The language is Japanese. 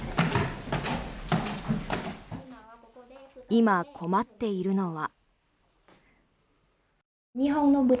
今、困っているのは。